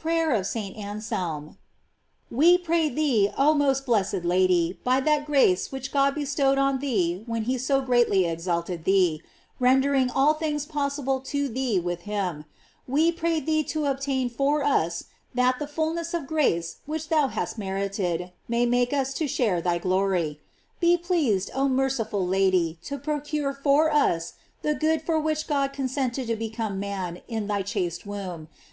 PKAYEB OF ST. ANSELM. WE pray thee, oh most blessed Lady, by that grace which God bestowed on thee when he so greatly exalted thee, rendering all things possible to thee with him; we pray thee to obtain for us that the fulness of grace which thou hast merit ed may make us to share thy glory. Be pleased, oh most merciful Lady, to procure for us the good for which God consented to become man in thy chaste womb.